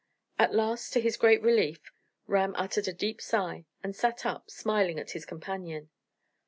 At last, to his great relief, Ram uttered a deep sigh, and sat up, smiling at his companion.